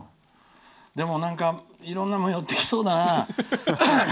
でも、いろんなのが寄ってきそうだな。